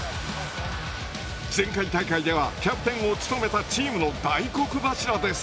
前回大会ではキャプテンを務めたチームの大黒柱です。